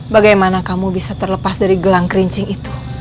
bagaimana kamu bisa terlepas dari gelang kerincing itu